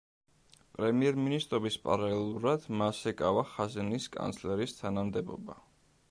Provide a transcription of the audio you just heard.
პრემიერ-მინისტრობის პარალელურად მას ეკავა ხაზინის კანცლერის თანამდებობა.